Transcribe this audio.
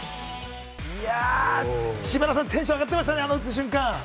知花さん、テンション上がっていましたね、打つ瞬間。